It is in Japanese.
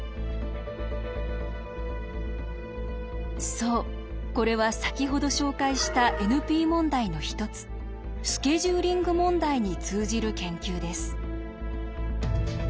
そうこれは先ほど紹介したＮＰ問題の一つスケジューリング問題に通じる研究です。